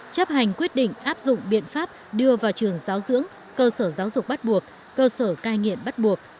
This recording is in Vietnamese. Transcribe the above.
chấp hành quyết định áp dụng biện pháp đưa vào trường giáo dưỡng cơ sở giáo dục bắt buộc cơ sở cai nghiện bắt buộc